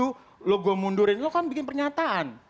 lo gue mundurin lo kan bikin pernyataan